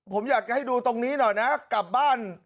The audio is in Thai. ผมอยากจะให้ดูตรงนี้หน่อยนะกลับบ้าน